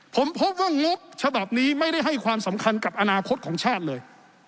ผมพบว่างบฉบับนี้ไม่ได้ให้ความสำคัญกับอนาคตของชาติเลย